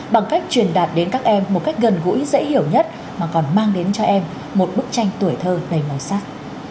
bằng cách truyền đạt đến các em một cách gần gũi dễ hiểu nhất mà còn mang đến cho em một bức tranh tuổi thơ đầy màu sắc